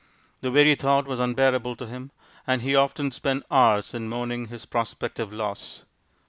The very thought was unbearable to him, and he often spent hours in mourning his prospective loss.